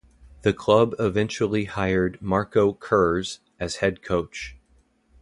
The club eventually hired Marco Kurz as head coach.